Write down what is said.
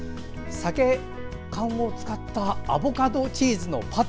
鮭の缶詰を使ったアボカドチーズのパテ。